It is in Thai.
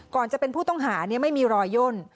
ก่อนจะเป็นผู้ต้องหาเนี่ยไม่มีรอยย่น